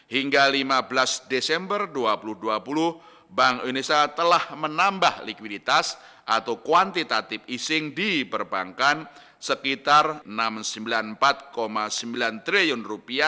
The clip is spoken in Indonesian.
hingga lima belas desember dua ribu dua puluh bank indonesia telah menambah likuiditas atau kuantitative easing di perbankan sekitar rp enam ratus sembilan puluh empat sembilan triliun